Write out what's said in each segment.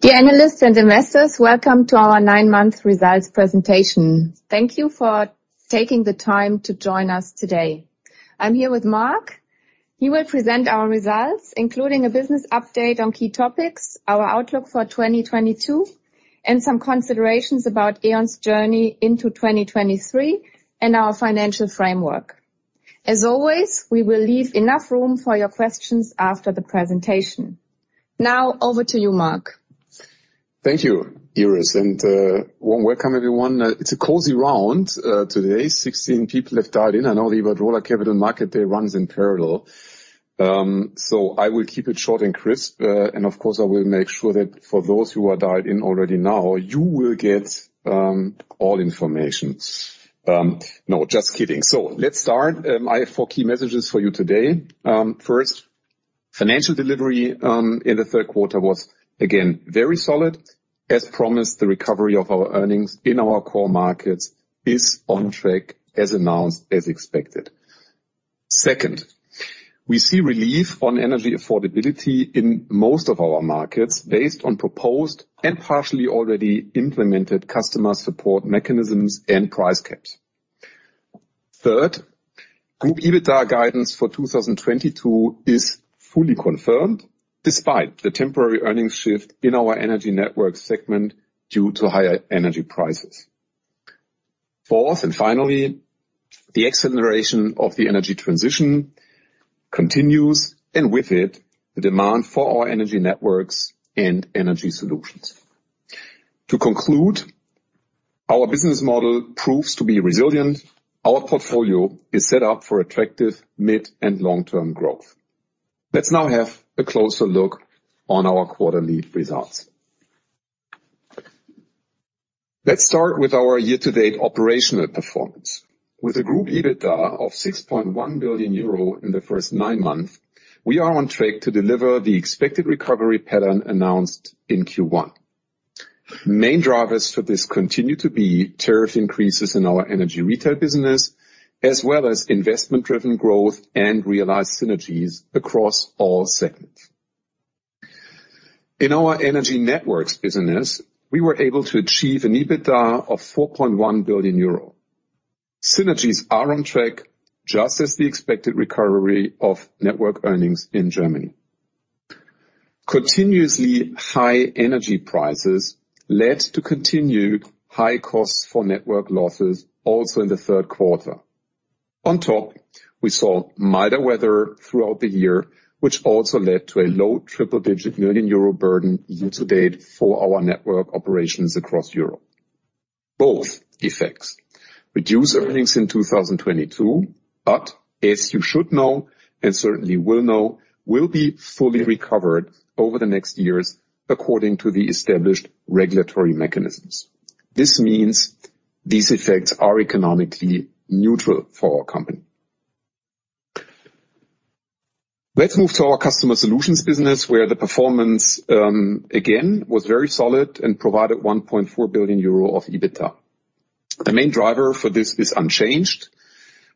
Okay. Dear analysts and investors, welcome to our Nine-Month Results Presentation. Thank you for taking the time to join us today. I'm here with Marc. He will present our results, including a business update on key topics, our outlook for 2022, and some considerations about E.ON's journey into 2023 and our financial framework. As always, we will leave enough room for your questions after the presentation. Now, over to you, Marc. Thank you, Iris, and warm welcome everyone. It's a cozy round today. 16 people have dialed in. I know the E.ON Roadshow Capital Market Day runs in parallel. I will keep it short and crisp, and of course, I will make sure that for those who are dialed in already now, you will get all information. No, just kidding. Let's start. I have four key messages for you today. First, financial delivery in the third quarter was again very solid. As promised, the recovery of our earnings in our core markets is on track as announced, as expected. Second, we see relief on energy affordability in most of our markets based on proposed and partially already implemented customer support mechanisms and price caps. Third, group EBITDA guidance for 2022 is fully confirmed despite the temporary earnings shift in our Energy Networks segment due to higher energy prices. Fourth, and finally, the acceleration of the energy transition continues, and with it, the demand for our Energy Networks and energy solutions. To conclude, our business model proves to be resilient. Our portfolio is set up for attractive mid- and long-term growth. Let's now have a closer look on our quarterly results. Let's start with our year-to-date operational performance. With a group EBITDA of 6.1 billion euro in the first nine months, we are on track to deliver the expected recovery pattern announced in Q1. Main drivers for this continue to be tariff increases in our Energy Retail business as well as investment-driven growth and realized synergies across all segments. In our Energy Networks business, we were able to achieve an EBITDA of 4.1 billion euro. Synergies are on track just as the expected recovery of network earnings in Germany. Continuously high energy prices led to continued high costs for network losses also in the third quarter. On top, we saw milder weather throughout the year, which also led to a low triple-digit million EUR burden year-to-date for our network operations across Europe. Both effects reduce earnings in 2022, but as you should know, and certainly will know, will be fully recovered over the next years according to the established regulatory mechanisms. This means these effects are economically neutral for our company. Let's move to our Customer Solutions business, where the performance, again, was very solid and provided 1.4 billion euro of EBITDA. The main driver for this is unchanged.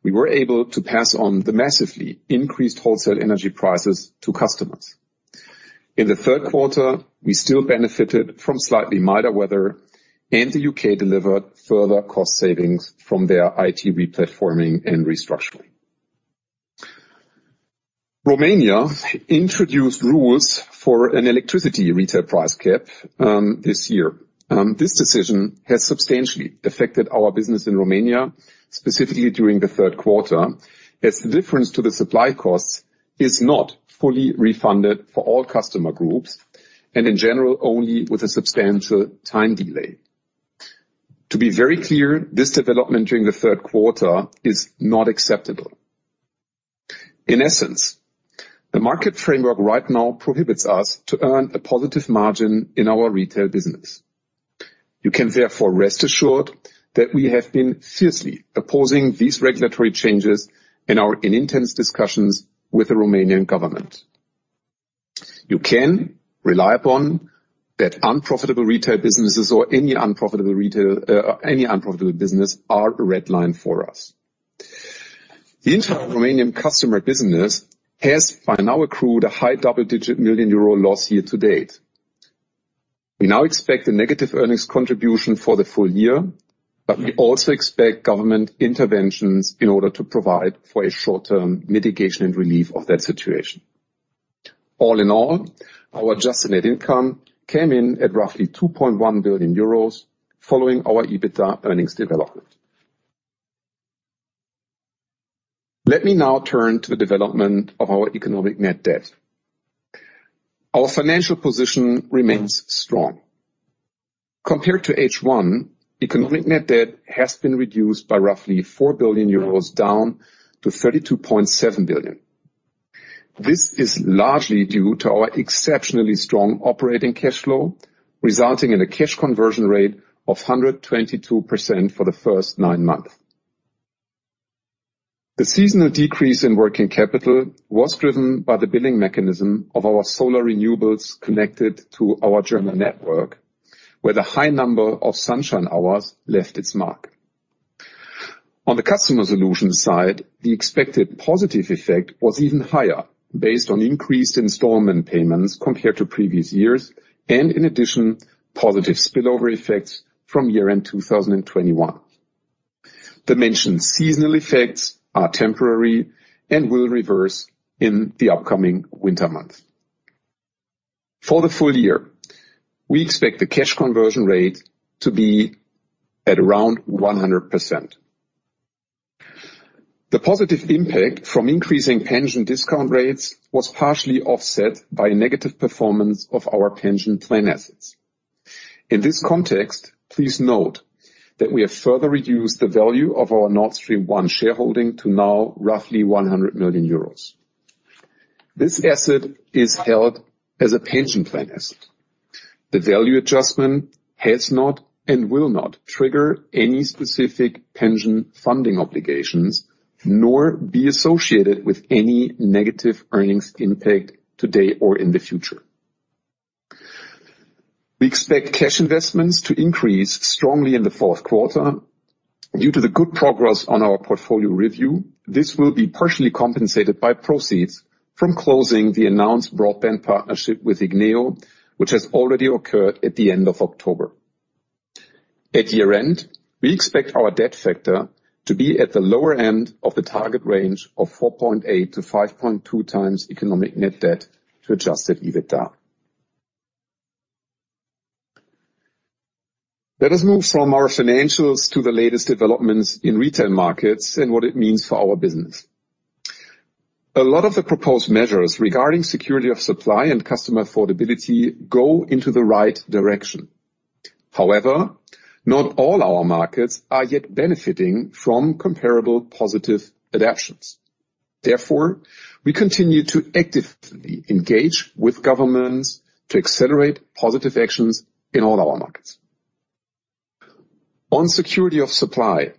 We were able to pass on the massively increased wholesale energy prices to customers. In the third quarter, we still benefited from slightly milder weather, and the U.K. delivered further cost savings from their IT re-platforming and restructuring. Romania introduced rules for an electricity retail price cap this year. This decision has substantially affected our business in Romania, specifically during the third quarter, as the difference to the supply costs is not fully refunded for all customer groups, and in general, only with a substantial time delay. To be very clear, this development during the third quarter is not acceptable. In essence, the market framework right now prohibits us to earn a positive margin in our retail business. You can therefore rest assured that we have been fiercely opposing these regulatory changes in our intense discussions with the Romanian government. You can rely upon that unprofitable retail businesses or any unprofitable business are a red line for us. The entire Romanian customer business has by now accrued a high double-digit million EUR loss year to date. We now expect a negative earnings contribution for the full year, but we also expect government interventions in order to provide for a short-term mitigation and relief of that situation. All in all, our adjusted net income came in at roughly 2.1 billion euros following our EBITDA earnings development. Let me now turn to the development of our economic net debt. Our financial position remains strong. Compared to H1, economic net debt has been reduced by roughly 4 billion euros, down to 32.7 billion. This is largely due to our exceptionally strong operating cash flow, resulting in a cash conversion rate of 122% for the first nine months. The seasonal decrease in working capital was driven by the billing mechanism of our solar renewables connected to our German network, where the high number of sunshine hours left its mark. On the Customer Solution side, the expected positive effect was even higher based on increased installment payments compared to previous years, and in addition, positive spillover effects from year-end 2021. The mentioned seasonal effects are temporary and will reverse in the upcoming winter months. For the full year, we expect the cash conversion rate to be at around 100%. The positive impact from increasing pension discount rates was partially offset by negative performance of our pension plan assets. In this context, please note that we have further reduced the value of our Nord Stream 1 shareholding to now roughly 100 million euros. This asset is held as a pension plan asset. The value adjustment has not and will not trigger any specific pension funding obligations, nor be associated with any negative earnings impact today or in the future. We expect cash investments to increase strongly in the fourth quarter due to the good progress on our portfolio review. This will be partially compensated by proceeds from closing the announced broadband partnership with Igneo, which has already occurred at the end of October. At year-end, we expect our debt factor to be at the lower end of the target range of 4.8-5.2x economic net debt to adjusted EBITDA. Let us move from our financials to the latest developments in retail markets and what it means for our business. A lot of the proposed measures regarding security of supply and customer affordability go into the right direction. However, not all our markets are yet benefiting from comparable positive adaptations. Therefore, we continue to actively engage with governments to accelerate positive actions in all our markets. On security of supply,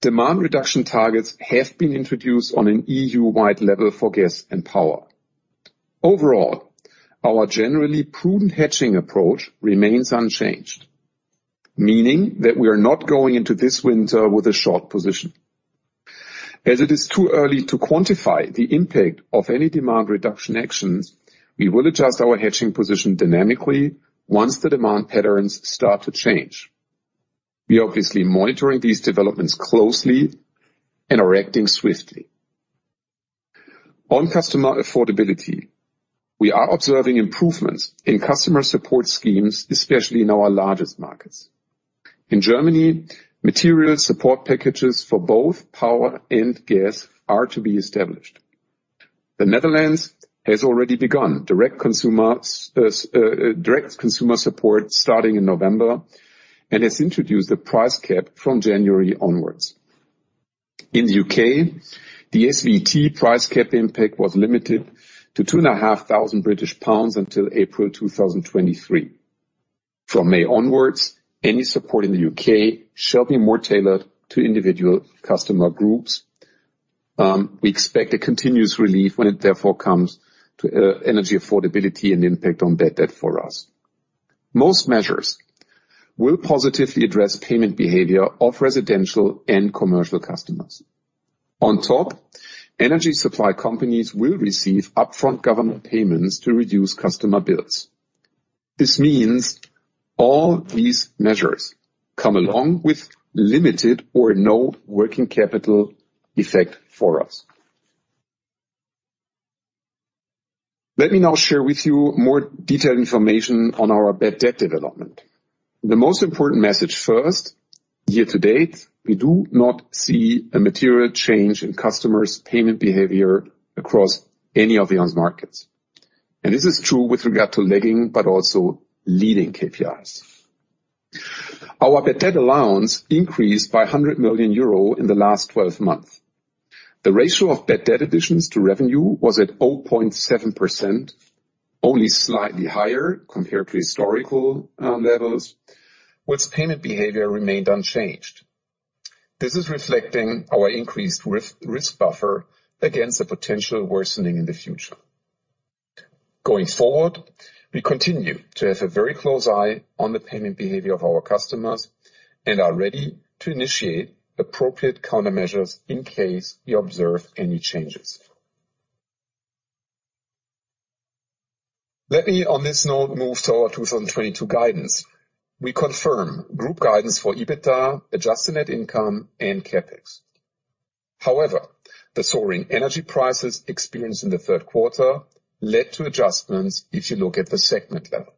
demand reduction targets have been introduced on an EU-wide level for gas and power. Overall, our generally prudent hedging approach remains unchanged, meaning that we are not going into this winter with a short position. As it is too early to quantify the impact of any demand reduction actions, we will adjust our hedging position dynamically once the demand patterns start to change. We're obviously monitoring these developments closely and are acting swiftly. On customer affordability, we are observing improvements in customer support schemes, especially in our largest markets. In Germany, material support packages for both power and gas are to be established. The Netherlands has already begun direct consumer support starting in November and has introduced the price cap from January onwards. In the U.K., the SVT price cap impact was limited to two and a half thousand British pounds until April 2023. From May onwards, any support in the U.K. shall be more tailored to individual customer groups. We expect a continuous relief when it therefore comes to energy affordability and impact on bad debt for us. Most measures will positively address payment behavior of residential and commercial customers. On top, energy supply companies will receive upfront government payments to reduce customer bills. This means all these measures come along with limited or no working capital effect for us. Let me now share with you more detailed information on our bad debt development. The most important message first, year to date, we do not see a material change in customers' payment behavior across any of E.ON's markets. This is true with regard to lagging, but also leading KPIs. Our bad debt allowance increased by 100 million euro in the last 12 months. The ratio of bad debt additions to revenue was at 0.7%, only slightly higher compared to historical levels, while payment behavior remained unchanged. This is reflecting our increased risk buffer against the potential worsening in the future. Going forward, we continue to have a very close eye on the payment behavior of our customers and are ready to initiate appropriate countermeasures in case we observe any changes. Let me, on this note, move to our 2022 guidance. We confirm group guidance for EBITDA, adjusted net income, and CapEx. However, the soaring energy prices experienced in the third quarter led to adjustments if you look at the segment level.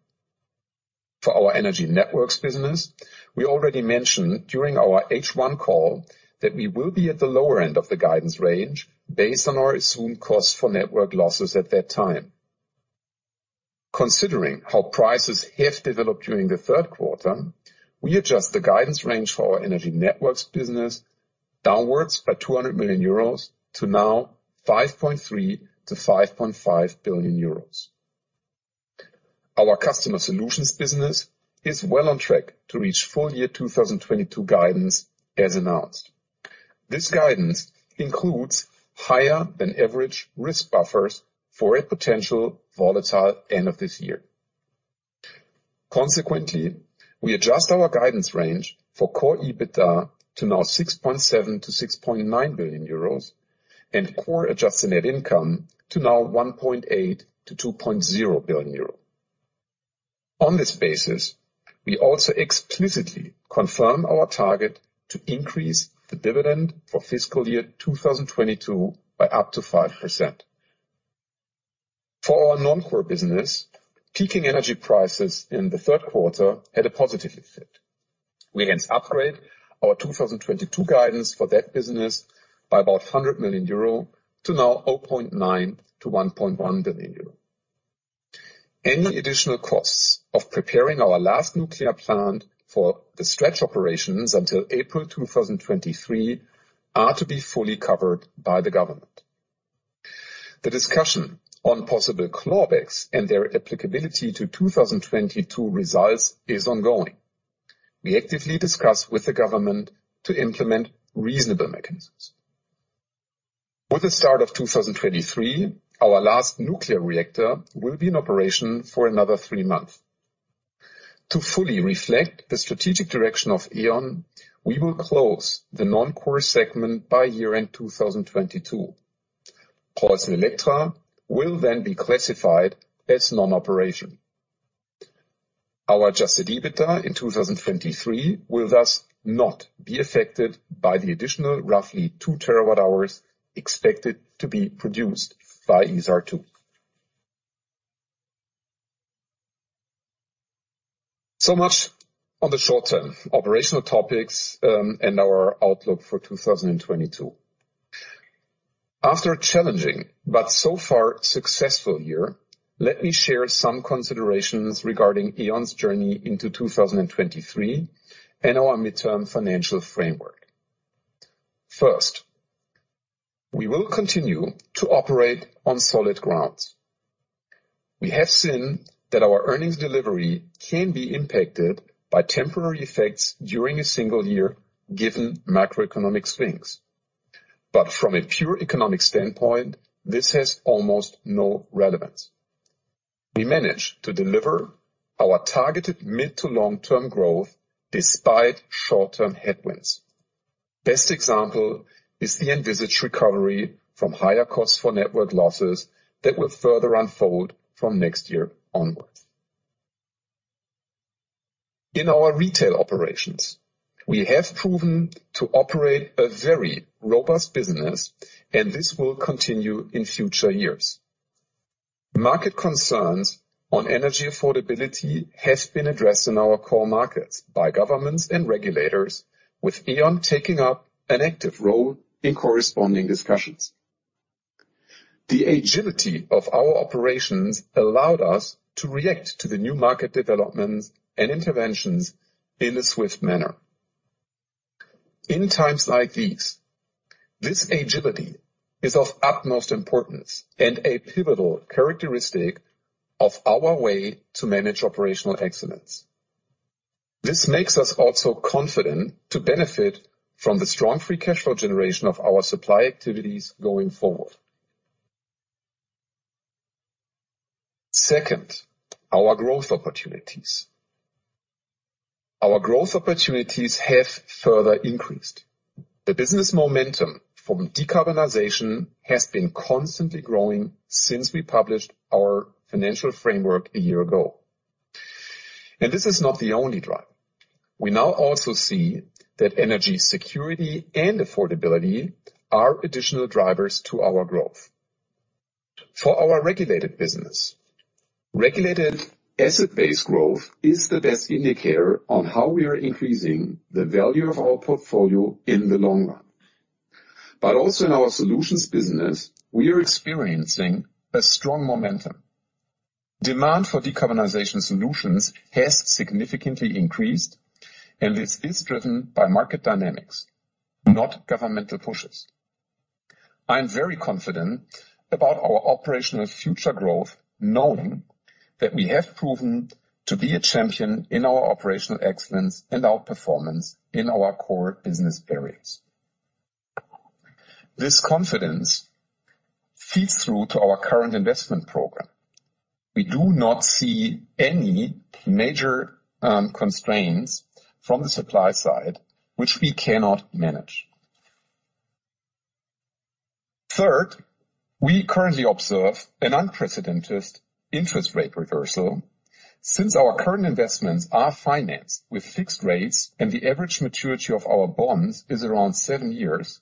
For our Energy Networks business, we already mentioned during our H1 call that we will be at the lower end of the guidance range based on our assumed cost for network losses at that time. Considering how prices have developed during the third quarter, we adjust the guidance range for our Energy Networks business downwards by 200 million euros to now 5.3 billion-5.5 billion euros. Our Customer Solutions business is well on track to reach full year 2022 guidance as announced. This guidance includes higher than average risk buffers for a potential volatile end of this year. Consequently, we adjust our guidance range for core EBITDA to now 6.7 billion-6.9 billion euros and core adjusted net income to now 1.8-2.0 billion euros. On this basis, we also explicitly confirm our target to increase the dividend for fiscal year 2022 by up to 5%. For our non-core business, peaking energy prices in the third quarter had a positive effect. We hence upgrade our 2022 guidance for that business by about 100 million euro to now 0.9 billion-1.1 billion euro. Any additional costs of preparing our last nuclear plant for the stretch operations until April 2023 are to be fully covered by the government. The discussion on possible clawbacks and their applicability to 2022 results is ongoing. We actively discuss with the government to implement reasonable mechanisms. With the start of 2023, our last nuclear reactor will be in operation for another 3 months. To fully reflect the strategic direction of E.ON, we will close the non-core segment by year-end 2022. PreussenElektra will then be classified as non-operation. Our adjusted EBITDA in 2023 will thus not be affected by the additional roughly 2 TWh expected to be produced by Isar 2. So much on the short-term operational topics, and our outlook for 2022. After a challenging but so far successful year, let me share some considerations regarding E.ON's journey into 2023 and our mid-term financial framework. First, we will continue to operate on solid grounds. We have seen that our earnings delivery can be impacted by temporary effects during a single year, given macroeconomic swings. From a pure economic standpoint, this has almost no relevance. We managed to deliver our targeted mid to long-term growth despite short-term headwinds. Best example is the envisaged recovery from higher costs for network losses that will further unfold from next year onwards. In our retail operations, we have proven to operate a very robust business, and this will continue in future years. Market concerns on energy affordability have been addressed in our core markets by governments and regulators, with E.ON taking up an active role in corresponding discussions. The agility of our operations allowed us to react to the new market developments and interventions in a swift manner. In times like these, this agility is of utmost importance and a pivotal characteristic of our way to manage operational excellence. This makes us also confident to benefit from the strong free cash flow generation of our supply activities going forward. Second, our growth opportunities. Our growth opportunities have further increased. The business momentum from decarbonization has been constantly growing since we published our financial framework a year ago. This is not the only driver. We now also see that energy security and affordability are additional drivers to our growth. For our regulated business, regulated asset-based growth is the best indicator on how we are increasing the value of our portfolio in the long run. Also in our solutions business, we are experiencing a strong momentum. Demand for decarbonization solutions has significantly increased, and this is driven by market dynamics, not governmental pushes. I am very confident about our operational future growth, knowing that we have proven to be a champion in our operational excellence and out performance in our core business areas. This confidence feeds through to our current investment program. We do not see any major constraints from the supply side, which we cannot manage. Third, we currently observe an unprecedented interest rate reversal. Since our current investments are financed with fixed rates and the average maturity of our bonds is around seven years,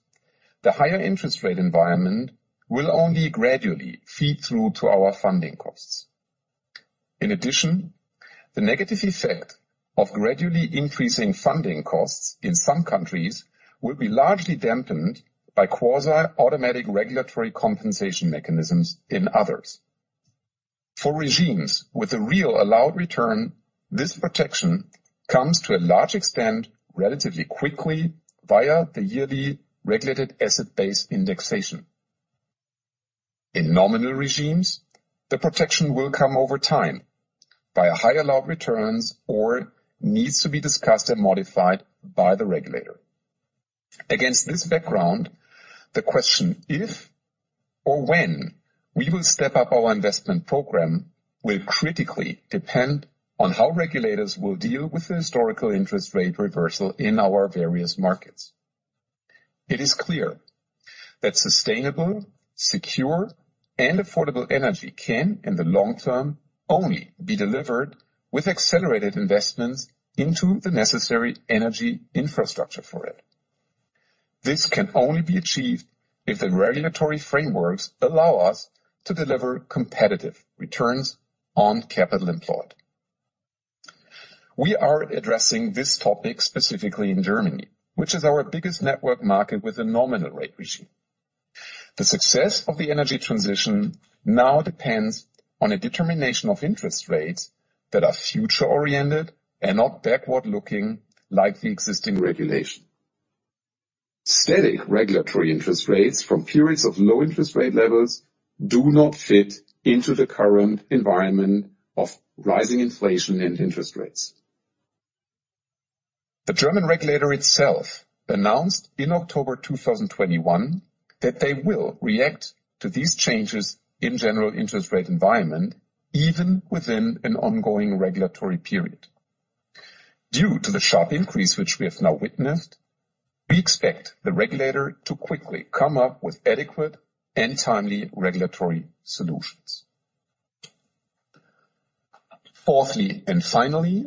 the higher interest rate environment will only gradually feed through to our funding costs. In addition, the negative effect of gradually increasing funding costs in some countries will be largely dampened by quasi-automatic regulatory compensation mechanisms in others. For regimes with a real allowed return, this protection comes to a large extent relatively quickly via the yearly regulated asset-based indexation. In nominal regimes, the protection will come over time by a higher allowed returns or needs to be discussed and modified by the regulator. Against this background, the question if or when we will step up our investment program will critically depend on how regulators will deal with the historical interest rate reversal in our various markets. It is clear that sustainable, secure and affordable energy can, in the long term, only be delivered with accelerated investments into the necessary energy infrastructure for it. This can only be achieved if the regulatory frameworks allow us to deliver competitive returns on capital employed. We are addressing this topic specifically in Germany, which is our biggest network market with a nominal rate regime. The success of the energy transition now depends on a determination of interest rates that are future-oriented and not backward-looking, like the existing regulation. Static regulatory interest rates from periods of low interest rate levels do not fit into the current environment of rising inflation and interest rates. The German regulator itself announced in October 2021 that they will react to these changes in general interest rate environment, even within an ongoing regulatory period. Due to the sharp increase which we have now witnessed, we expect the regulator to quickly come up with adequate and timely regulatory solutions. Fourthly, and finally,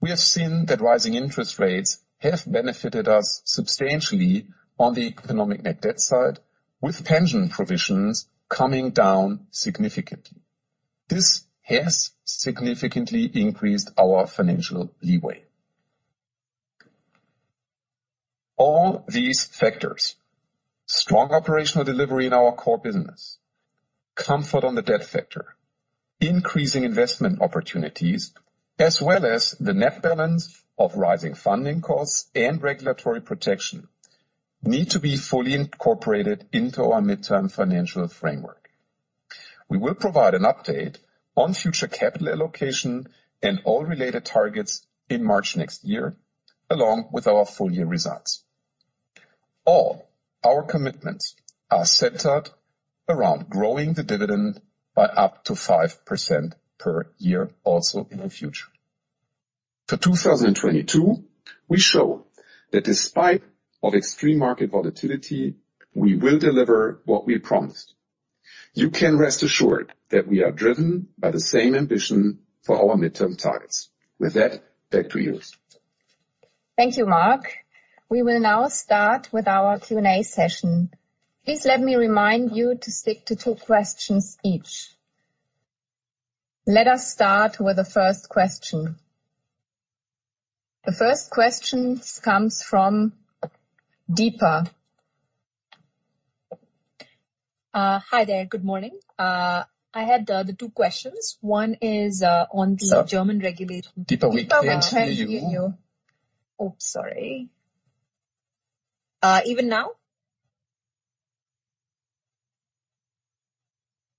we have seen that rising interest rates have benefited us substantially on the economic net debt side, with pension provisions coming down significantly. This has significantly increased our financial leeway. All these factors: strong operational delivery in our core business, comfort on the debt factor, increasing investment opportunities, as well as the net balance of rising funding costs and regulatory protection need to be fully incorporated into our midterm financial framework. We will provide an update on future capital allocation and all related targets in March next year, along with our full year results. All our commitments are centered around growing the dividend by up to 5% per year also in the future. For 2022, we show that despite extreme market volatility, we will deliver what we promised. You can rest assured that we are driven by the same ambition for our midterm targets. With that, back to you. Thank you, Marc Spieker. We will now start with our Q&A session. Please let me remind you to stick to two questions each. Let us start with the first question. The first question comes from Deepa Venkateswaran. Hi there. Good morning. I have two questions. One is on the German regulation. Sorry, Deepa, we can't hear you. Deepa, we can't hear you. Oops, sorry. Even now?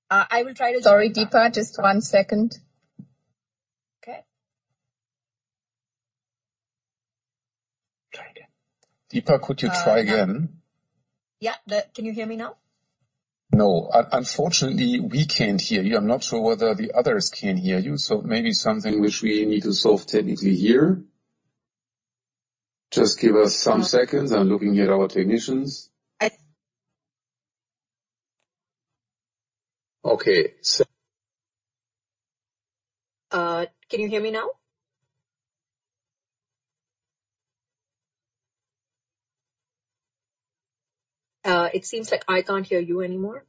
I will try to. Sorry, Deepa. Just one second. Okay. Try again. Deepa, could you try again? Yeah. Can you hear me now? No. Unfortunately, we can't hear you. I'm not sure whether the others can hear you, so maybe something which we need to solve technically here. Just give us some seconds. I'm looking at our technicians. I- Okay, so- Can you hear me now? It seems like I can't hear you anymore.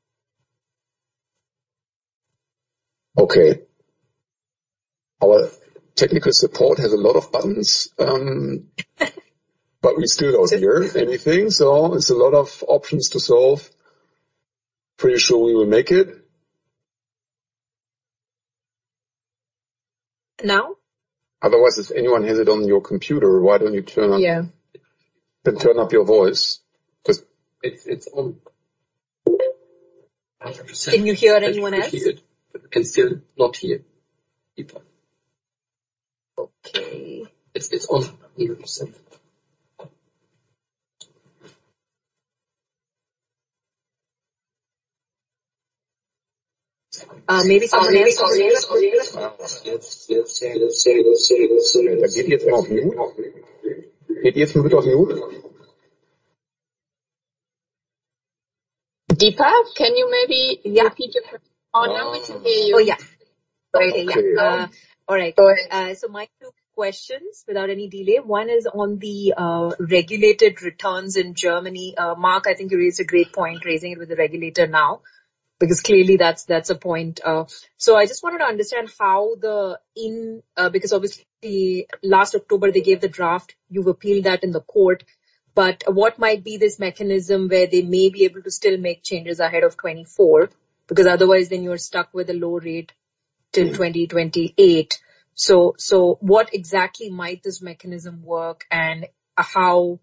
Okay. Our technical support has a lot of buttons, we still don't hear anything, so it's a lot of options to solve. Pretty sure we will make it. Now? Otherwise, if anyone has it on your computer, why don't you turn on. Yeah. Turn up your voice? 'Cause it's on. 100%. Can you hear anyone else? Can still not hear Deepa. Okay. It's on 100%. Maybe. Deepa, can you maybe repeat your question? Oh, now we can hear you. My two questions, without any delay. One is on the regulated returns in Germany. Marc, I think you raised a great point, raising it with the regulator now, because clearly that's a point. I just wanted to understand how. Because obviously last October they gave the draft. You've appealed that in court. But what might be this mechanism where they may be able to still make changes ahead of 2024? Because otherwise then you're stuck with a low rate till 2028. So what exactly might this mechanism work and how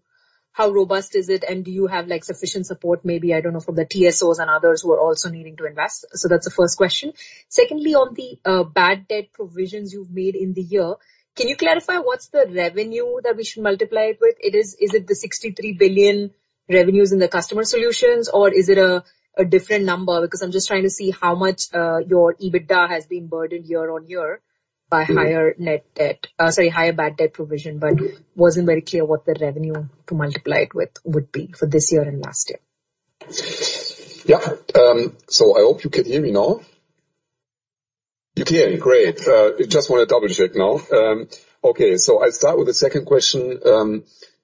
robust is it? And do you have, like, sufficient support maybe, I don't know, from the TSOs and others who are also needing to invest? That's the first question. Secondly, on the bad debt provisions you've made in the year, can you clarify what's the revenue that we should multiply it with? Is it the 63 billion revenues in the Customer Solutions, or is it a different number? Because I'm just trying to see how much your EBITDA has been burdened year-over-year by higher bad debt provision. But it wasn't very clear what the revenue to multiply it with would be for this year and last year. Yeah. I hope you can hear me now. You can? Great. Just wanna double-check now. Okay, I'll start with the second question.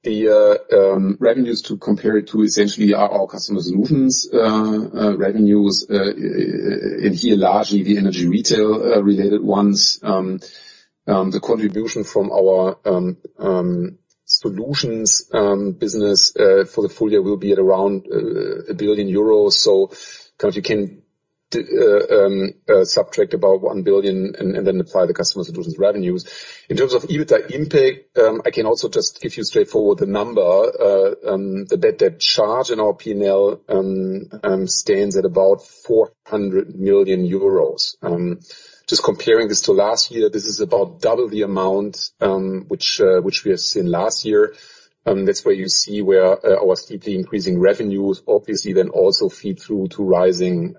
The revenues to compare it to essentially are our Customer Solutions revenues. And here, largely the Energy Retail-related ones. The contribution from our solutions business for the full year will be at around 1 billion euros. Kind of you can subtract about 1 billion and then apply the Customer Solutions revenues. In terms of EBITDA impact, I can also just give you straightforward the number. The bad debt charge in our P&L stands at about 400 million euros. Just comparing this to last year, this is about double the amount, which we have seen last year. That's where you see our steeply increasing revenues obviously then also feed through to rising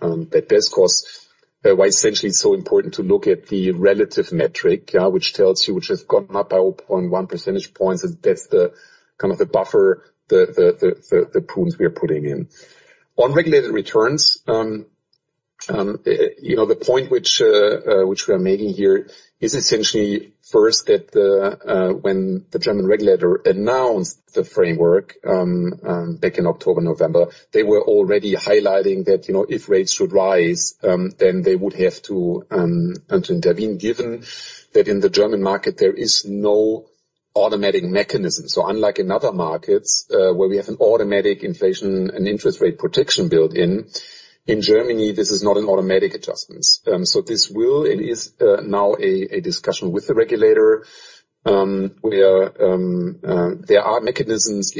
bad debts costs. Why essentially it's so important to look at the relative metric, yeah, which tells you has gone up by 0.1 percentage points. That's the kind of buffer, the pools we are putting in. On regulated returns, you know, the point which we are making here is essentially first that, when the German regulator announced the framework, back in October, November, they were already highlighting that, you know, if rates should rise, then they would have to intervene, given that in the German market there is no automatic mechanism. Unlike in other markets, where we have an automatic inflation and interest rate protection built in Germany, this is not an automatic adjustment. This will and is now a discussion with the regulator, where there are mechanisms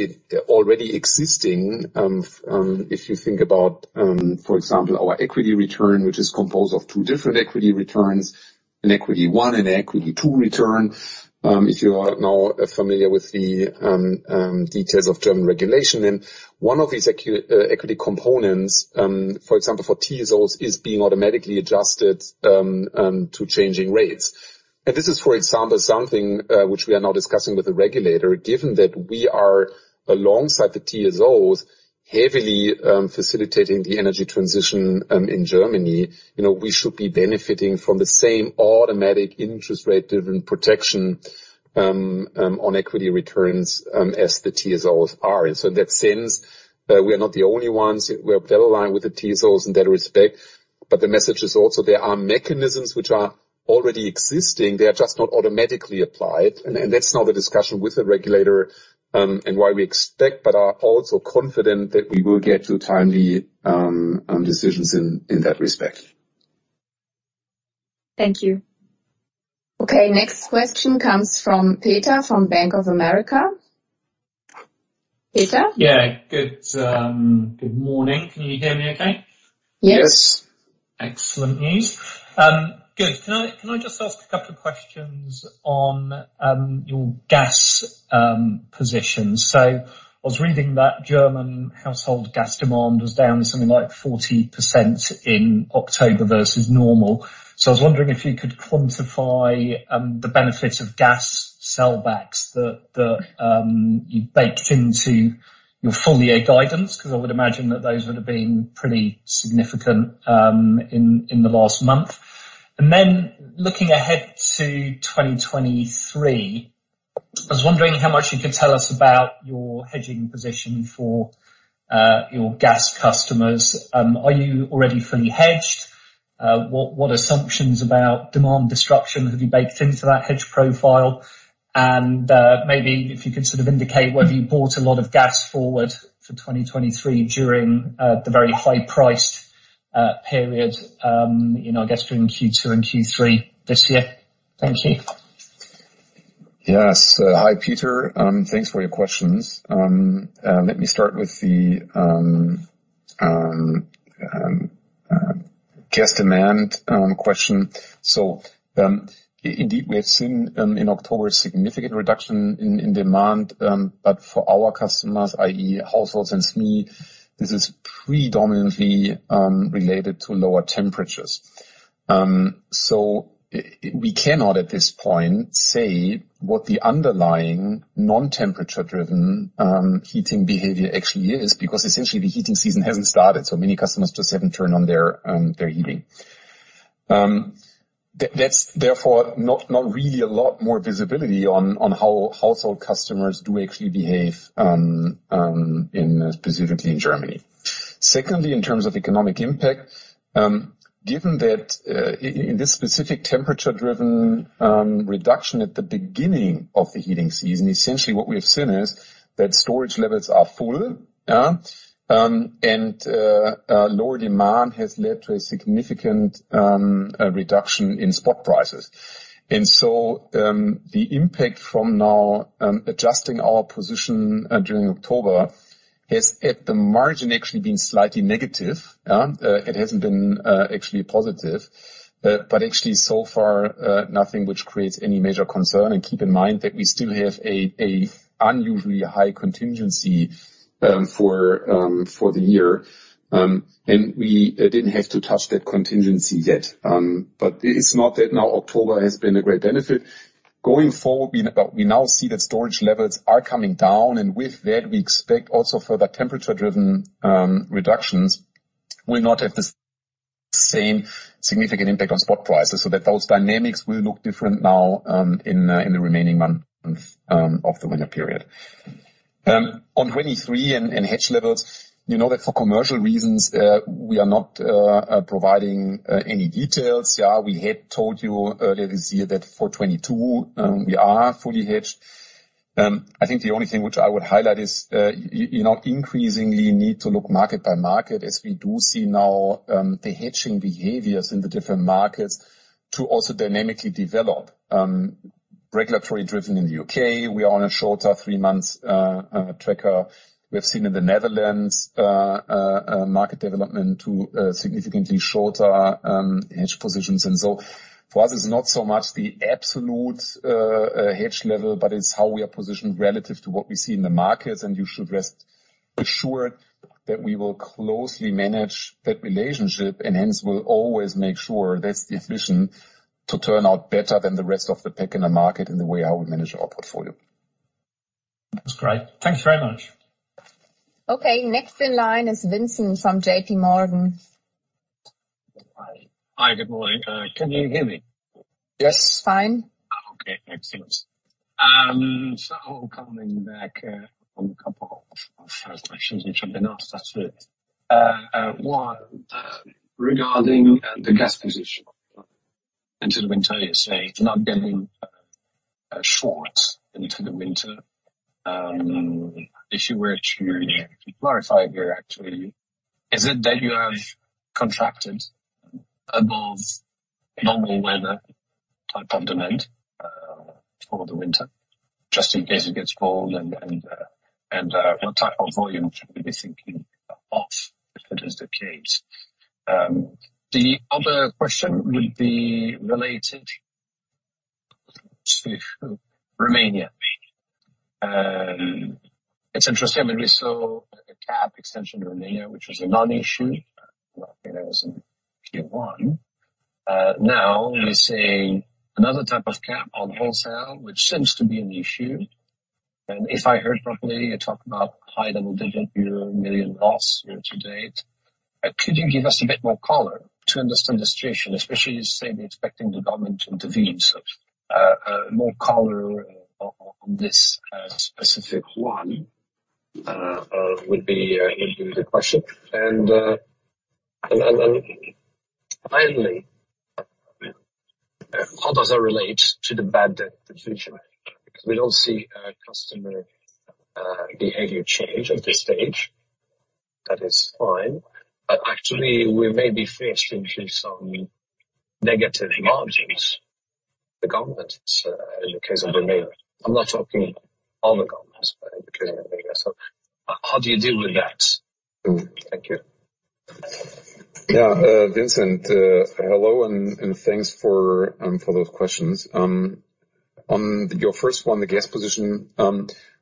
already existing. If you think about, for example, our equity return, which is composed of two different equity returns, an equity one and equity two return, if you are now familiar with the details of German regulation. One of these equity components, for example, for TSOs is being automatically adjusted to changing rates. This is, for example, something which we are now discussing with the regulator, given that we are, alongside the TSOs, heavily facilitating the energy transition in Germany, you know, we should be benefiting from the same automatic interest rate driven protection on equity returns as the TSOs are. In that sense, we are not the only ones. We are well-aligned with the TSOs in that respect. The message is also there are mechanisms which are already existing. They are just not automatically applied. That's now the discussion with the regulator, and why we expect but are also confident that we will get to timely decisions in that respect. Thank you. Okay, next question comes from Peter from Bank of America. Peter? Yeah. Good morning. Can you hear me okay? Yes. Yes. Excellent news. Good. Can I just ask a couple of questions on your gas position? I was reading that German household gas demand was down something like 40% in October versus normal. I was wondering if you could quantify the benefit of gas sellbacks that you've baked into your full year guidance, because I would imagine that those would have been pretty significant in the last month. Looking ahead to 2023, I was wondering how much you could tell us about your hedging position for your gas customers. Are you already fully hedged? What assumptions about demand destruction have you baked into that hedge profile? Maybe if you could sort of indicate whether you bought a lot of gas forward for 2023 during the very high-priced period, you know, I guess during Q2 and Q3 this year. Thank you. Yes. Hi, Peter. Thanks for your questions. Let me start with the gas demand question. Indeed, we have seen in October a significant reduction in demand, but for our customers, i.e. households and SME, this is predominantly related to lower temperatures. We cannot at this point say what the underlying non-temperature driven heating behavior actually is, because essentially the heating season hasn't started, so many customers just haven't turned on their heating. That's therefore not really a lot more visibility on how household customers do actually behave, specifically in Germany. Secondly, in terms of economic impact, given that, in this specific temperature driven reduction at the beginning of the heating season, essentially what we have seen is that storage levels are full, yeah, and lower demand has led to a significant reduction in spot prices. The impact from now, adjusting our position, during October has, at the margin, actually been slightly negative, yeah. It hasn't been actually positive. But actually so far, nothing which creates any major concern. Keep in mind that we still have an unusually high contingency for the year. We didn't have to touch that contingency yet. It's not that now October has been a great benefit. Going forward, we now see that storage levels are coming down, and with that we expect also further temperature-driven reductions will not have the same significant impact on spot prices, so that those dynamics will look different now, in the remaining months of the winter period. On 2023 and hedge levels, you know that for commercial reasons, we are not providing any details, yeah. We had told you earlier this year that for 2022, we are fully hedged. I think the only thing which I would highlight is, you know, increasingly need to look market by market as we do see now, the hedging behaviors in the different markets to also dynamically develop, regulatory driven in the U.K., we are on a shorter three-month tracker. We've seen in the Netherlands, market development to, significantly shorter hedge positions. For us it's not so much the absolute hedge level, but it's how we are positioned relative to what we see in the markets. You should rest assured that we will closely manage that relationship, and hence will always make sure that's the efficient to turn out better than the rest of the pack in the market in the way how we manage our portfolio. That's great. Thank you very much. Okay. Next in line is Vincent from J.P. Morgan. Hi. Good morning. Can you hear me? Yes. Fine. Okay, excellent. Coming back on a couple of questions which have been asked us, one regarding the gas position into the winter, you say not getting short into the winter. If you were to clarify here actually, is it that you have contracted above normal weather type of demand for the winter, just in case it gets cold and what type of volume should we be thinking of if it is the case? The other question would be related to Romania. It's interesting when we saw a cap extension to Romania, which was a non-issue. I think that was in Q1. Now we're seeing another type of cap on wholesale, which seems to be an issue. If I heard properly, you talk about high double-digit million loss year to date. Could you give us a bit more color to understand the situation, especially saying, expecting the government to intervene. More color on this specific one would be the question. Finally, how does that relate to the bad debt provision? Because we don't see a customer behavior change at this stage. That is fine, but actually we may be faced into some negative margins. The government, in the case of Romania, I'm not talking on the government, but in the case of Romania. How do you deal with that? Thank you. Yeah. Vincent, hello, and thanks for those questions. On your first one, the gas position,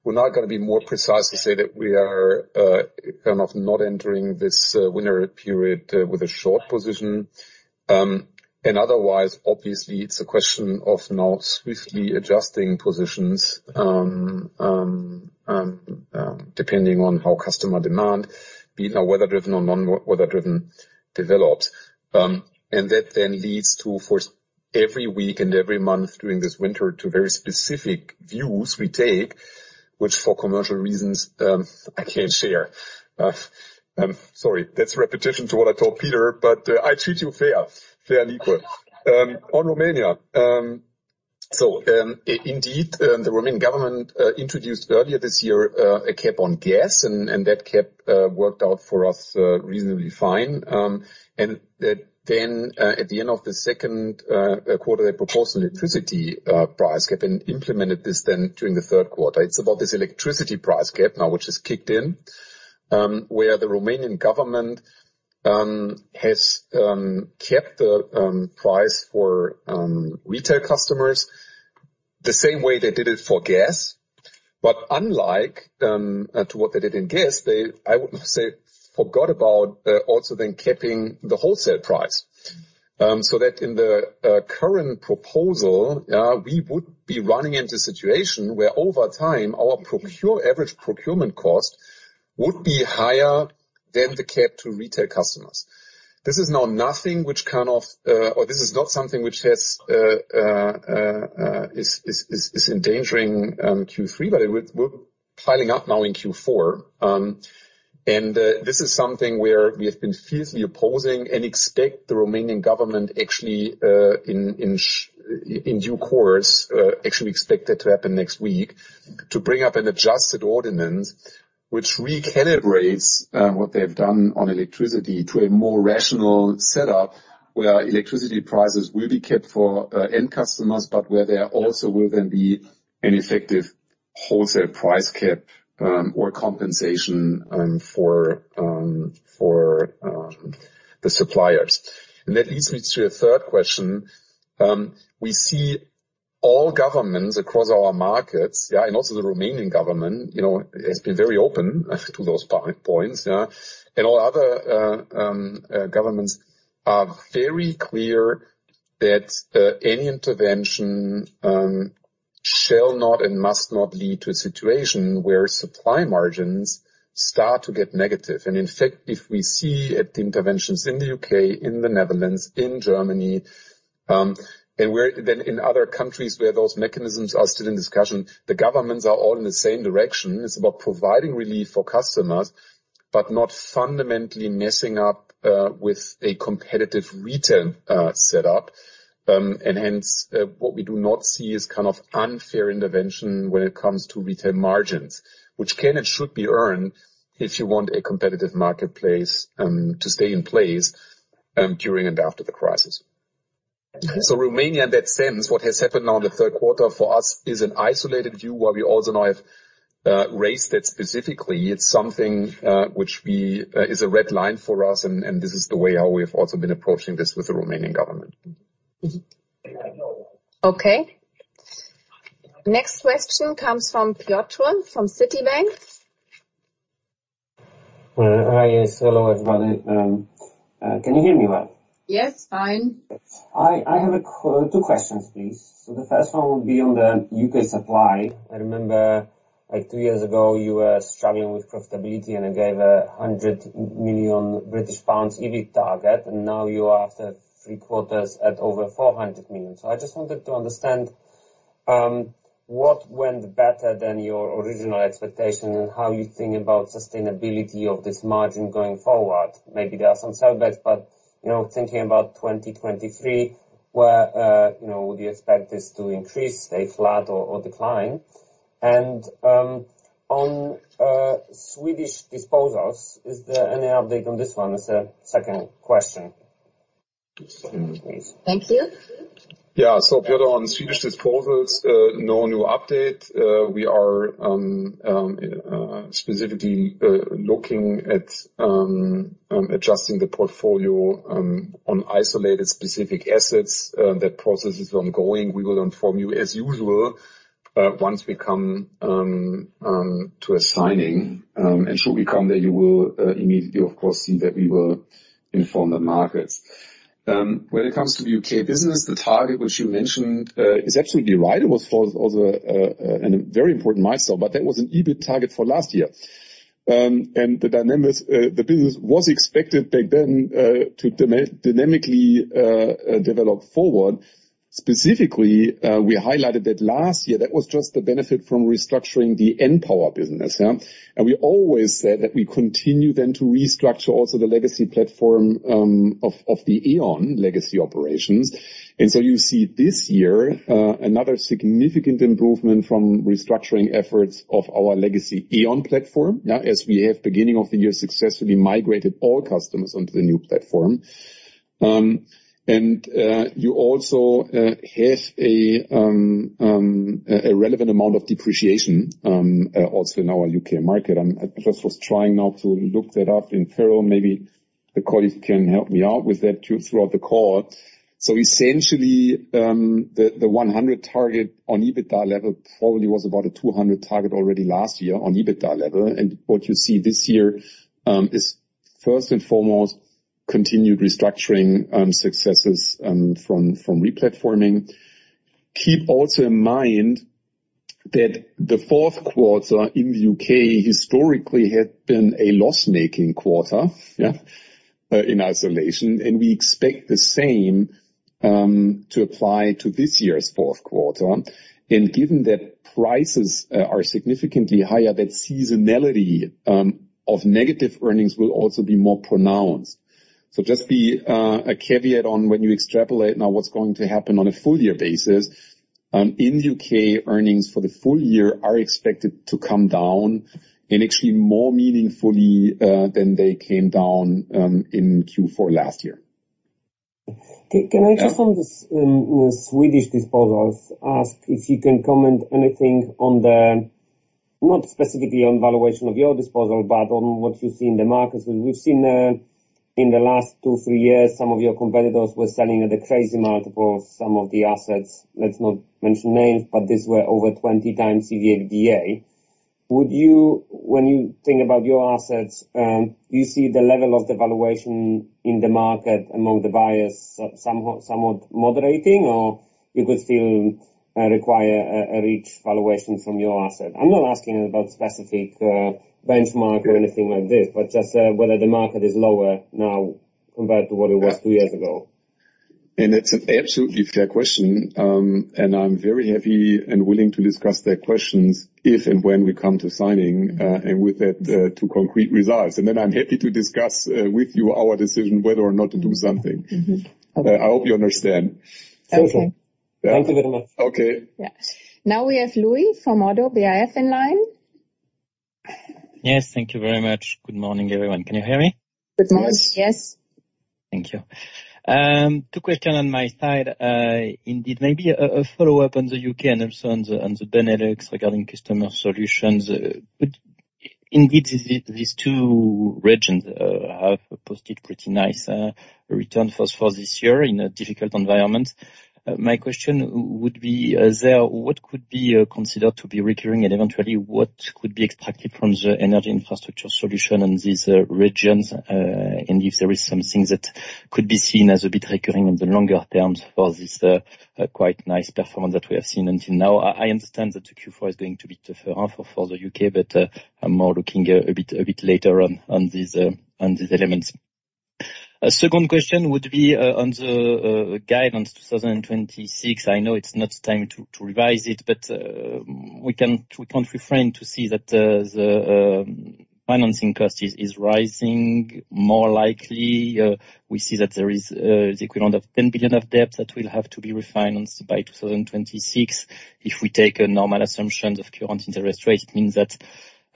we're now gonna be more precise to say that we are kind of not entering this winter period with a short position. Otherwise, obviously it's a question of now swiftly adjusting positions, depending on how customer demand be it now weather-driven or non-weather driven develops. That then leads to every week and every month during this winter to very specific views we take, which for commercial reasons, I can't share. Sorry, that's a repetition to what I told Peter, but I treat you fairly. On Romania. Indeed, the Romanian government introduced earlier this year a cap on gas and that cap worked out for us reasonably fine. At the end of the second quarter, they proposed an electricity price cap and implemented this then during the third quarter. It's about this electricity price cap now which has kicked in, where the Romanian government has capped the price for retail customers the same way they did it for gas. Unlike to what they did in gas, they, I would say, forgot about also then capping the wholesale price. So that in the current proposal, we would be running into a situation where over time our average procurement cost would be higher than the cap to retail customers. This is not something which is endangering Q3, but we're piling up now in Q4. This is something where we have been fiercely opposing and expect the Romanian government actually in due course actually expect that to happen next week, to bring up an adjusted ordinance which recalibrates what they've done on electricity to a more rational setup, where electricity prices will be kept for end customers, but where there also will then be an effective wholesale price cap or compensation for the suppliers. That leads me to a third question. We see all governments across our markets, yeah, and also the Romanian government, you know, has been very open to those points, yeah. All other governments are very clear that any intervention shall not and must not lead to a situation where supply margins start to get negative. In fact, if we see at the interventions in the U.K., in the Netherlands, in Germany, and then in other countries where those mechanisms are still in discussion, the governments are all in the same direction. It's about providing relief for customers, but not fundamentally messing up with a competitive retail setup. What we do not see is kind of unfair intervention when it comes to retail margins, which can and should be earned if you want a competitive marketplace to stay in place during and after the crisis. Okay. Romania, in that sense, what has happened now in the third quarter for us is an isolated view, where we also now have raised it specifically. It's something, which we, is a red line for us and this is the way how we've also been approaching this with the Romanian government. Okay. Next question comes from Piotr, from Citigroup. Hi. Yes. Hello, everybody. Can you hear me well? Yes, fine. I have two questions, please. The first one will be on the U.K. supply. I remember, like, two years ago, you were struggling with profitability, and you gave 100 million British pounds EBIT target, and now you are after three quarters at over 400 million. I just wanted to understand what went better than your original expectation and how you think about sustainability of this margin going forward. Maybe there are some setbacks but, you know, thinking about 2023, where, you know, do you expect this to increase, stay flat or decline? On Swedish disposals, is there any update on this one? Is the second question. Thank you. Yeah. Piotr, on Swedish disposals, no new update. We are specifically looking at adjusting the portfolio on isolated specific assets. That process is ongoing. We will inform you as usual, once we come to a signing. Should we come there, you will immediately of course see that we will inform the markets. When it comes to the U.K. business, the target which you mentioned is absolutely right. It was also a very important milestone, but that was an EBIT target for last year. The dynamics, the business was expected back then, to dynamically develop forward. Specifically, we highlighted that last year, that was just the benefit from restructuring the npower business, yeah? We always said that we continue then to restructure also the legacy platform of the E.ON legacy operations. You see this year another significant improvement from restructuring efforts of our legacy E.ON platform as we have, beginning of the year, successfully migrated all customers onto the new platform. You also have a relevant amount of depreciation also in our U.K. market. I just was trying now to look that up in parallel. Maybe a colleague can help me out with that too, throughout the call. Essentially, the 100 target on EBITDA level probably was about a 200 target already last year on EBITDA level. What you see this year is first and foremost continued restructuring successes from replatforming. Keep also in mind that the fourth quarter in the U.K. historically had been a loss-making quarter, in isolation, and we expect the same to apply to this year's fourth quarter. Given that prices are significantly higher, that seasonality of negative earnings will also be more pronounced. Just be a caveat on when you extrapolate now what's going to happen on a full year basis. In the U.K., earnings for the full year are expected to come down and actually more meaningfully than they came down in Q4 last year. Can I just on this Swedish disposals ask if you can comment anything on the not specifically on valuation of your disposal but on what you see in the markets. We've seen in the last two-three years some of your competitors were selling at a crazy multiple some of the assets. Let's not mention names, but these were over 20 times EV/EBITDA. Would you when you think about your assets you see the level of the valuation in the market among the buyers somewhat moderating or you could still require a rich valuation from your asset? I'm not asking about specific benchmark or anything like this but just whether the market is lower now compared to what it was 2 years ago. It's an absolutely fair question, and I'm very happy and willing to discuss that question if and when we come to signing, and with that, to concrete results. Then I'm happy to discuss with you our decision whether or not to do something. Mm-hmm. I hope you understand. Okay. Thank you very much. Okay. Yeah. Now we have Louis from Oddo BHF in line. Yes. Thank you very much. Good morning, everyone. Can you hear me? Good morning. Yes. Thank you. Two questions on my side. Indeed, maybe a follow-up on the U.K. and also on the Benelux regarding Customer Solutions. Indeed, these two Regions have posted pretty nice return for this year in a difficult environment. My question would be then what could be considered to be recurring, and eventually what could be extracted from the energy infrastructure solutions in these regions, and if there is something that could be seen as a bit recurring in the longer term for this quite nice performance that we have seen until now? I understand that the Q4 is going to be tougher for the U.K., but I'm more looking a bit later on these elements. A second question would be on the guidance 2026. I know it's not time to revise it, but we can't refrain to see that the financing cost is rising more likely. We see that there is the equivalent of 10 billion of debt that will have to be refinanced by 2026. If we take a normal assumption of current interest rates, it means that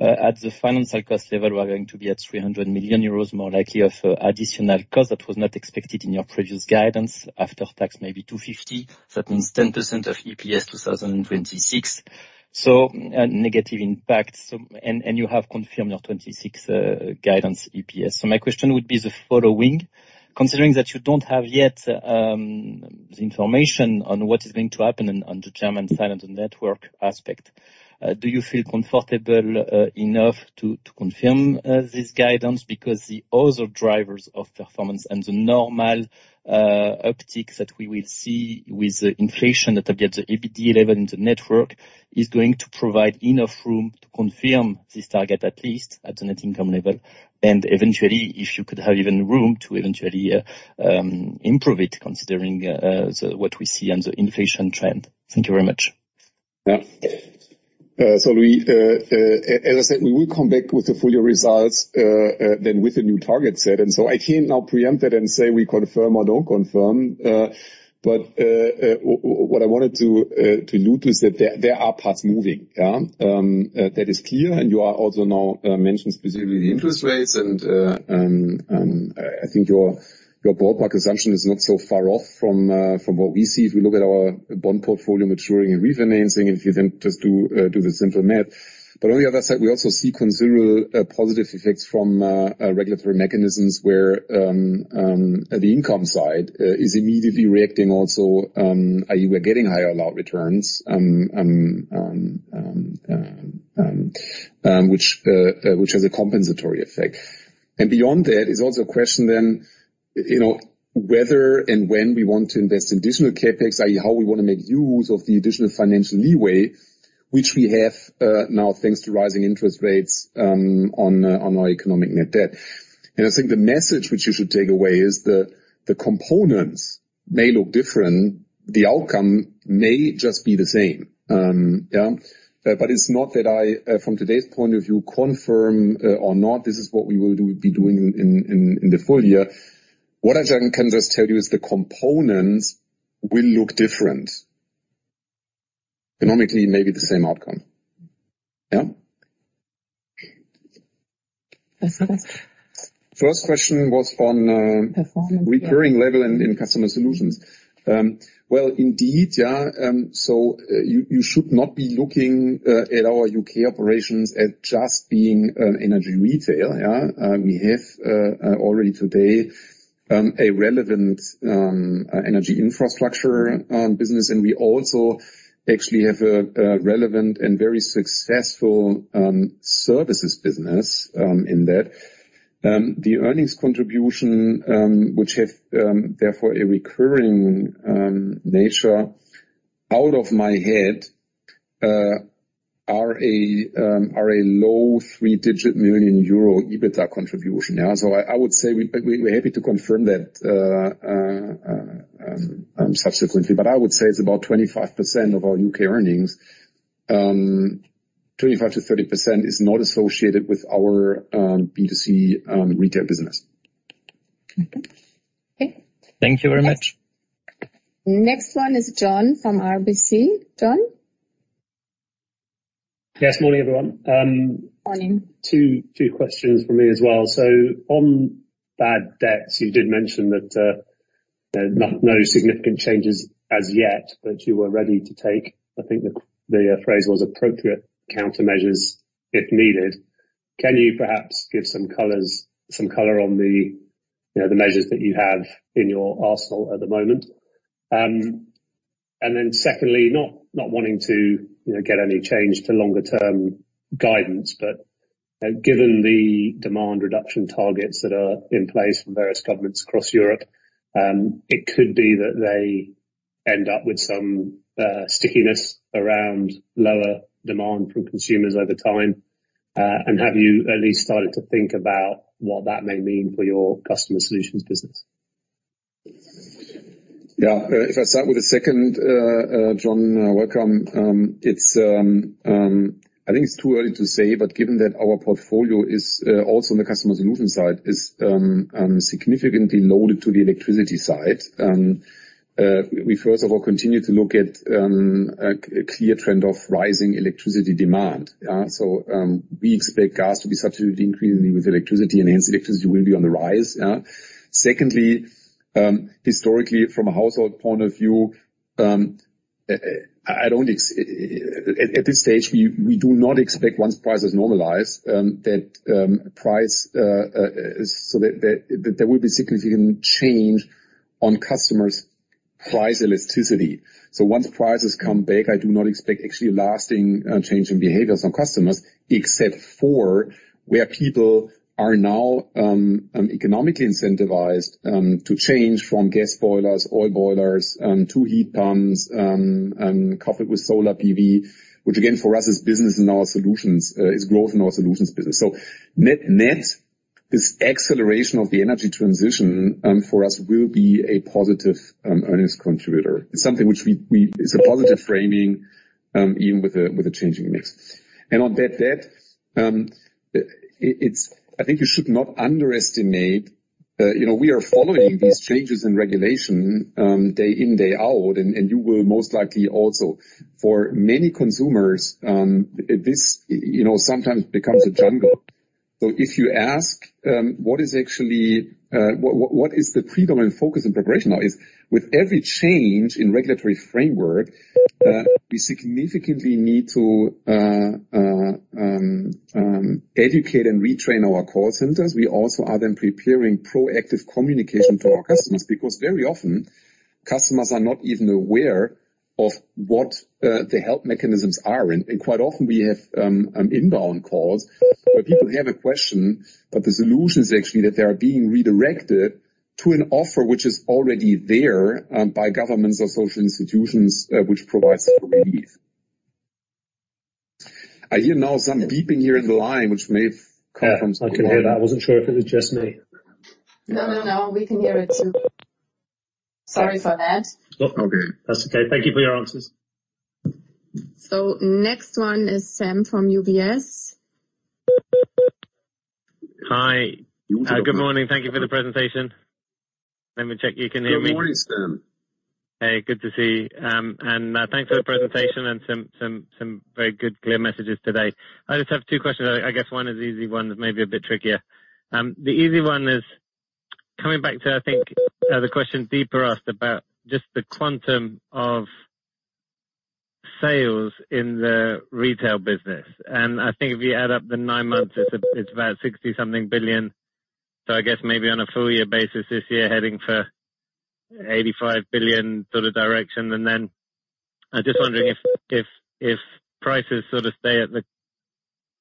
at the financial cost level, we're going to be at 300 million euros more like of additional cost that was not expected in your previous guidance. After tax, maybe 250 million. That means 10% of EPS 2026. So a negative impact. You have confirmed your 2026 guidance EPS. My question would be the following: considering that you don't have yet the information on what is going to happen on the German side on the network aspect, do you feel comfortable enough to confirm this guidance because the other drivers of performance and the normal uptick that we will see with the inflation that will be at the EBITDA level in the network is going to provide enough room to confirm this target, at least at the net income level? Eventually, if you could have even room to eventually improve it, considering what we see on the inflation trend. Thank you very much. Yeah, Louis, as I said, we will come back with the full year results, then with the new target set. I can't now preempt that and say we confirm or don't confirm. What I wanted to note is that there are parts moving. That is clear. You also now mentioned specifically the interest rates. I think your ballpark assumption is not so far off from what we see if we look at our bond portfolio maturing and refinancing, if you then just do the simple math. On the other side, we also see considerable positive effects from regulatory mechanisms where the income side is immediately reacting also. We're getting higher allowed returns, which has a compensatory effect. Beyond that is also a question then, you know, whether and when we want to invest in additional CapEx, i.e., how we want to make use of the additional financial leeway which we have now thanks to rising interest rates on our economic net debt. I think the message which you should take away is the components may look different, the outcome may just be the same. Yeah. It's not that I from today's point of view, confirm or not this is what we will do, be doing in the full year. What I can just tell you is the components will look different. Economically, it may be the same outcome. Yeah. First question was on. Performance... recurring level in Customer Solutions. Well, indeed, yeah. You should not be looking at our U.K. operations as just being Energy Retail, yeah. We have already today a relevant energy infrastructure business, and we also actually have a relevant and very successful services business in that. The earnings contribution, which have therefore a recurring nature off the top of my head, are a low three-digit million EUR EBITA contribution. I would say we're happy to confirm that subsequently, but I would say it's about 25% of our U.K. earnings. 25%-30% is not associated with our B2C retail business. Okay. Thank you very much. Next one is John from RBC. John? Yes. Morning, everyone. Morning. Two questions from me as well. On bad debts, you did mention that there's no significant changes as yet, but you were ready to take, I think, the phrase was appropriate countermeasures if needed. Can you perhaps give some color on the measures that you have in your arsenal at the moment? Secondly, not wanting to get any change to longer term guidance, but given the demand reduction targets that are in place from various governments across Europe, it could be that they end up with some stickiness around lower demand from consumers over time. Have you at least started to think about what that may mean for your Customer Solutions business? Yeah. If I start with the second, John, welcome. It's too early to say, but given that our portfolio is also on the Customer Solutions side significantly loaded to the electricity side, we first of all continue to look at a clear trend of rising electricity demand. Yeah. We expect gas to be substituted increasingly with electricity, and hence electricity will be on the rise. Yeah. Secondly, historically, from a household point of view, at this stage we do not expect once prices normalize that there will be significant change on customers' price elasticity. Once prices come back, I do not expect actually a lasting change in behaviors on customers, except for where people are now economically incentivized to change from gas boilers, oil boilers to heat pumps coupled with solar PV. Which again, for us is business in our solutions, is growth in our solutions business. Net, this acceleration of the energy transition for us will be a positive earnings contributor. It's something which we. It's a positive framing even with a changing mix. I think you should not underestimate, you know, we are following these changes in regulation day in, day out, and you will most likely also. For many consumers, this you know sometimes becomes a jungle. If you ask, what is actually the predominant focus in preparation now? With every change in regulatory framework, we significantly need to educate and retrain our call centers. We also are then preparing proactive communication for our customers, because very often customers are not even aware of what the help mechanisms are. Quite often we have inbound calls where people have a question, but the solution is actually that they are being redirected to an offer which is already there by governments or social institutions which provides some relief. I hear now some beeping here in the line which may have come from someone. Yeah, I can hear that. I wasn't sure if it was just me. No, no, we can hear it too. Sorry for that. Okay. That's okay. Thank you for your answers. Next one is Sam from UBS. Hi. Good morning. Thank you for the presentation. Let me check you can hear me. Good morning, Sam. Hey, good to see you. Thanks for the presentation and some very good clear messages today. I just have two questions. I guess one is the easy one, maybe a bit trickier. The easy one is coming back to, I think, the question Deepa asked about just the quantum of sales in the retail business. I think if you add up the nine months, it's about 60-something billion. So I guess maybe on a full year basis this year heading for 85 billion sort of direction. Then I'm just wondering if prices sort of stay at the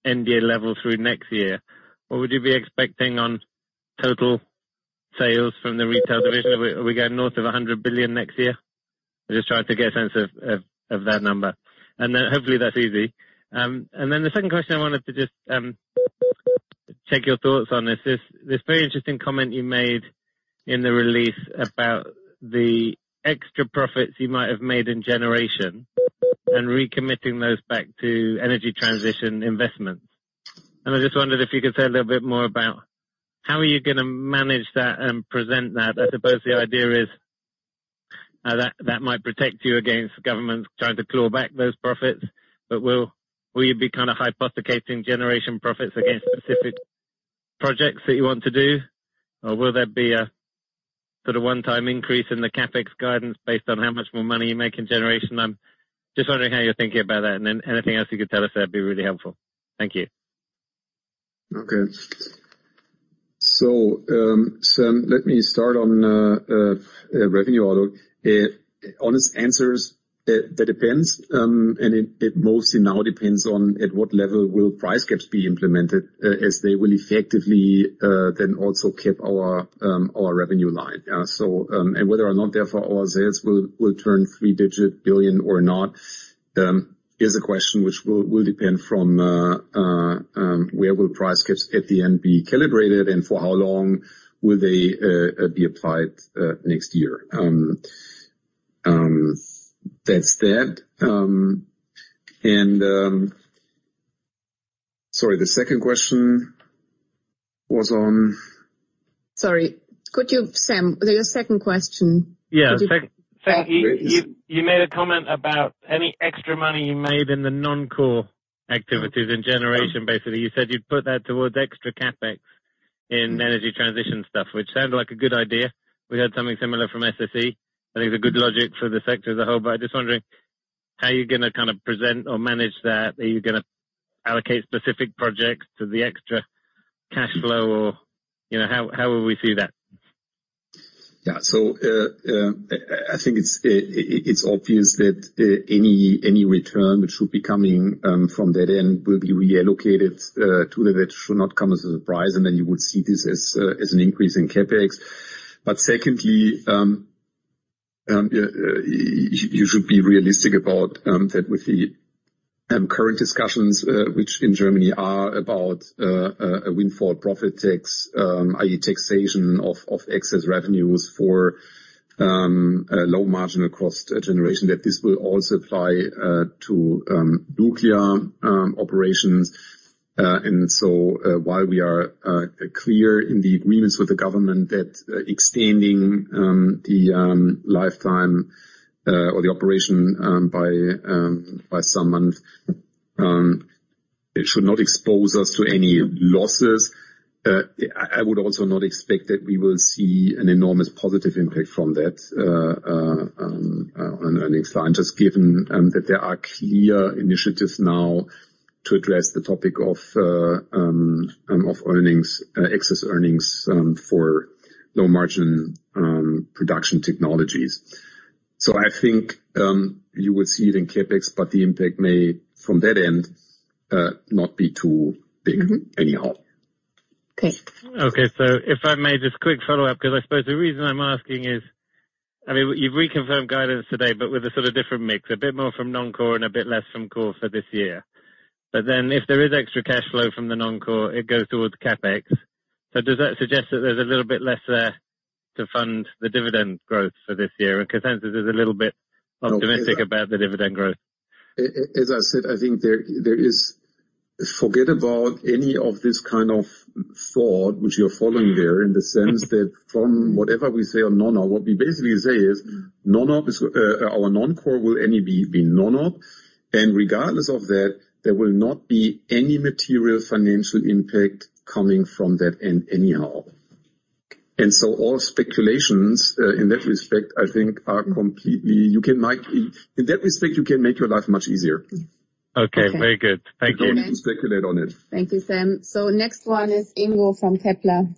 end year level through next year, what would you be expecting on total sales from the retail division? Are we going north of 100 billion next year? I'm just trying to get a sense of that number. Then hopefully that's easy. The second question, I wanted to just check your thoughts on this. This very interesting comment you made in the release about the extra profits you might have made in generation and recommitting those back to energy transition investments. I just wondered if you could say a little bit more about how are you gonna manage that and present that? I suppose the idea is that might protect you against governments trying to claw back those profits. Will you be kind of hypothecating generation profits against specific projects that you want to do? Or will there be a sort of one-time increase in the CapEx guidance based on how much more money you make in generation? I'm just wondering how you're thinking about that, and then anything else you could tell us that'd be really helpful. Thank you. Okay, Sam, let me start on revenue outlook. Honest answer is that depends. It mostly now depends on at what level will price caps be implemented, as they will effectively then also cap our revenue line. Whether or not therefore our sales will turn three digit billion or not is a question which will depend from where will price caps at the end be calibrated and for how long will they be applied next year. That's that. Sorry, the second question was on? Sorry. Sam, your second question? Yeah. Sam, you made a comment about any extra money you made in the non-core activities in generation, basically. You said you'd put that towards extra CapEx in energy transition stuff, which sounded like a good idea. We heard something similar from SSE. I think it's a good logic for the sector as a whole, but I'm just wondering how you're gonna kind of present or manage that. Are you gonna allocate specific projects to the extra cash flow? Or, you know, how will we see that? I think it's obvious that any return which will be coming from that end will be reallocated to that. It should not come as a surprise, and then you would see this as an increase in CapEx. Secondly, you should be realistic about that with the current discussions which in Germany are about a windfall profit tax, i.e. taxation of excess revenues for a low margin across generation, that this will also apply to nuclear operations. While we are clear in the agreements with the government that extending the lifetime or the operation by some months, it should not expose us to any losses. I would also not expect that we will see an enormous positive impact from that on earnings line, just given that there are clear initiatives now to address the topic of earnings, excess earnings, for low margin production technologies. I think you would see it in CapEx, but the impact may, from that end, not be too big anyhow. Great. Okay. If I may, just quick follow-up, 'cause I suppose the reason I'm asking is, I mean, you've reconfirmed guidance today, but with a sort of different mix. A bit more from non-core and a bit less from core for this year. Then if there is extra cash flow from the non-core, it goes towards CapEx. Does that suggest that there's a little bit less there to fund the dividend growth for this year? Consensus is a little bit optimistic about the dividend growth. As I said, I think there is. Forget about any of this kind of thought which you're following there, in the sense that from whatever we say on non-op, what we basically say is non-op is our non-core will only be non-op. Regardless of that, there will not be any material financial impact coming from that end anyhow. All speculations in that respect, I think, are completely. In that respect, you can make your life much easier. Okay. Okay. Very good. Thank you. You don't need to speculate on it. Thank you, Sam. Next one is Ingo from Kepler.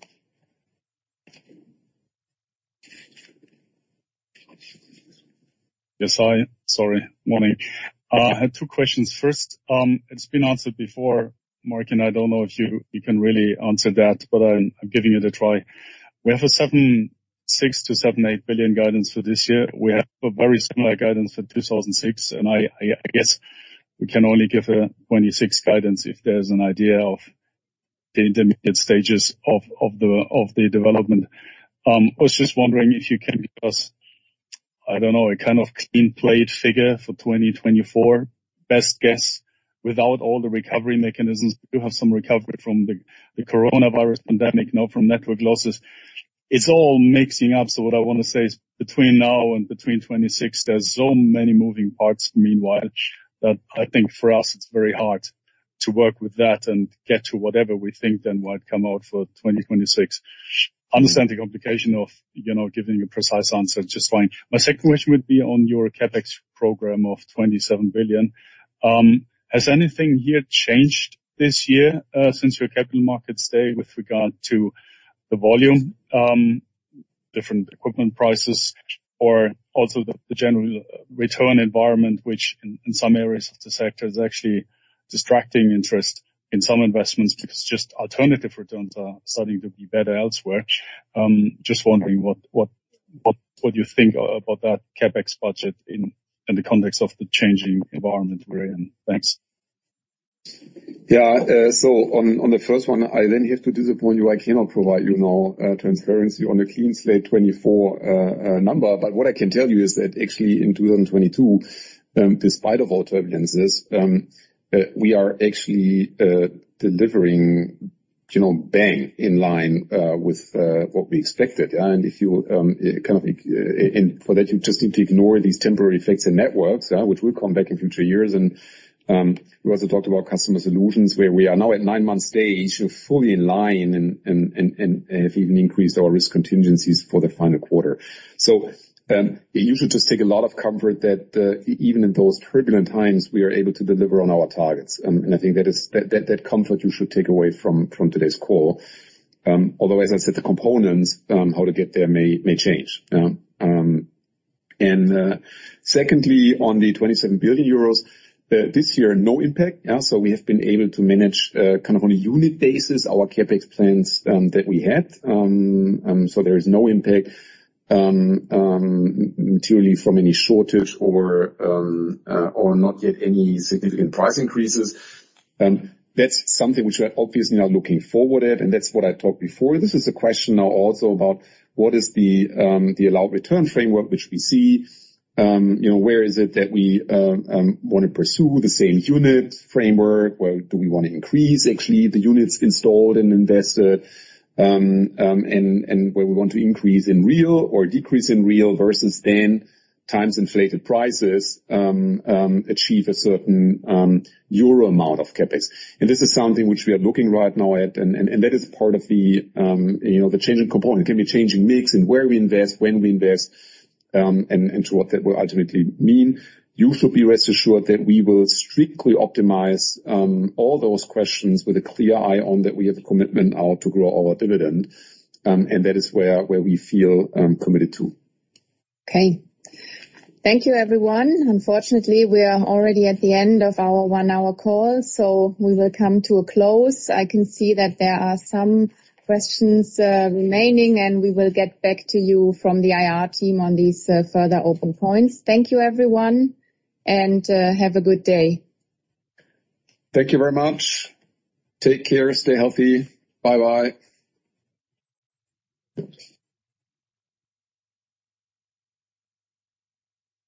Yes. Hi, sorry. Morning. I had two questions. First, it's been answered before, Marc, and I don't know if you can really answer that, but I'm giving it a try. We have a 7.6-7.8 billion guidance for this year. We have a very similar guidance for 2026, and I guess we can only give a 2026 guidance if there's an idea of the intermediate stages of the development. I was just wondering if you can give us, I don't know, a kind of clean slate figure for 2024, best guess, without all the recovery mechanisms. We do have some recovery from the coronavirus pandemic now from network losses. It's all mixing up. What I wanna say is, between now and 2026, there's so many moving parts meanwhile that I think for us, it's very hard to work with that and get to whatever we think then might come out for 2026. Understand the complication of, you know, giving a precise answer just fine. My second question would be on your CapEx program of 27 billion. Has anything here changed this year since your capital markets day with regard to the volume, different equipment prices or also the general return environment, which in some areas of the sector is actually distracting interest in some investments because just alternative returns are starting to be better elsewhere. Just wondering what you think about that CapEx budget in the context of the changing environment we're in. Thanks. Yeah. So on the first one, I then have to disappoint you. I cannot provide you no transparency on the clean slate 2024 number. But what I can tell you is that actually in 2022, despite all turbulences, we are actually delivering, you know, bang in line with what we expected, yeah. For that, you just need to ignore these temporary effects in networks, which will come back in future years. We also talked about Customer Solutions, where we are now at nine months stage fully in line and have even increased our risk contingencies for the final quarter. You should just take a lot of comfort that even in those turbulent times, we are able to deliver on our targets. I think that is that comfort you should take away from today's call. Although, as I said, the components, how to get there may change. Secondly, on the 27 billion euros this year, no impact. We have been able to manage kind of on a unit basis our CapEx plans that we had. There is no impact materially from any shortage or not yet any significant price increases. That's something which we are obviously now looking forward at, and that's what I talked before. This is a question now also about what is the allowed return framework, which we see. You know, where is it that we wanna pursue the same unit framework? Where do we wanna increase actually the units installed and invested? Where we want to increase in real or decrease in real versus then times inflated prices, achieve a certain euro amount of CapEx. This is something which we are looking right now at, and that is part of the you know, the change in component. It can be change in mix and where we invest, when we invest, and to what that will ultimately mean. You should be rest assured that we will strictly optimize all those questions with a clear eye on that we have a commitment now to grow our dividend, and that is where we feel committed to. Okay. Thank you, everyone. Unfortunately, we are already at the end of our one-hour call, so we will come to a close. I can see that there are some questions remaining, and we will get back to you from the IR team on these further open points. Thank you, everyone, and have a good day. Thank you very much. Take care. Stay healthy. Bye-bye.